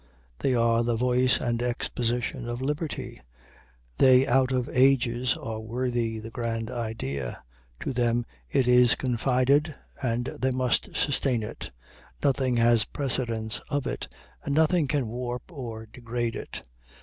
They are the voice and exposition of liberty. They out of ages are worthy the grand idea to them it is confided, and they must sustain it. Nothing has precedence of it, and nothing can warp or degrade it.